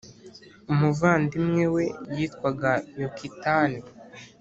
umuvandimwe we yitwaga Yokitani